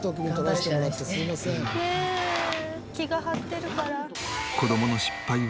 気が張ってるから。